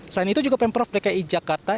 selain itu juga pemprov dki jakarta